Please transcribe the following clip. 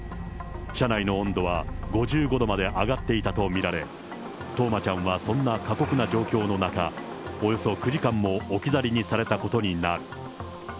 車内の温度は５５度まで上がっていたと見られ、冬生ちゃんはそんな過酷な状況の中、およそ９時間も置き去りにされたことになる。